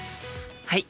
はい。